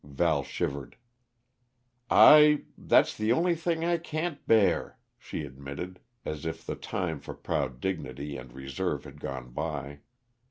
Val shivered. "I that's the only thing I can't bear," she admitted, as if the time for proud dignity and reserve had gone by.